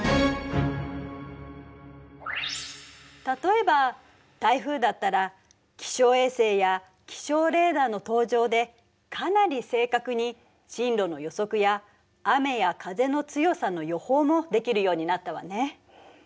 例えば台風だったら気象衛星や気象レーダーの登場でかなり正確に進路の予測や雨や風の強さの予報もできるようになったわね。